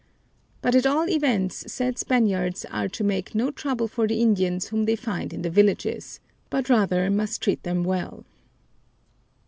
But at all events said Spaniards are to make no trouble for the Indians whom they find in the villages, but rather must treat them well."